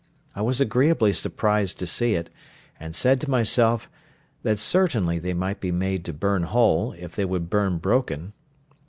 I was agreeably surprised to see it, and said to myself, that certainly they might be made to burn whole, if they would burn broken.